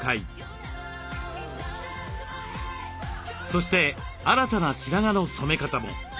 そして新たな白髪の染め方も。